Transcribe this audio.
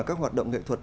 các hoạt động nghệ thuật